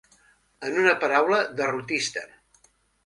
En una paraula, derrotista.